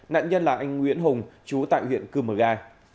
nạn nhân là anh nguyễn hùng chú tại huyện cư mờ ga